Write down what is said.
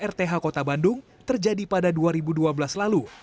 rth kota bandung terjadi pada dua ribu dua belas lalu